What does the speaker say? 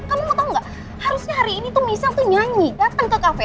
kamu mau tau gak harusnya hari ini tuh micelle nyanyi dateng ke kafe